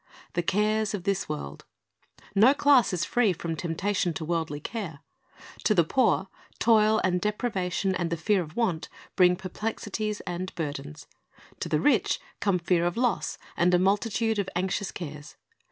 , "The cares of this world." No class is free from the temptation to worldly care. To the poor, toil and depriva tion and the fear of want bring perplexities and burdens. To the rich come fear of loss and a multitude of anxious cares.